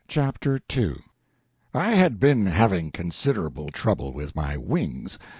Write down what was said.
CHAPTER II I had been having considerable trouble with my wings.